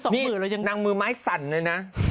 นี่นางมือไม้สั่นเลยนะ